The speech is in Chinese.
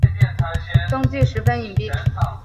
踪迹十分隐蔽。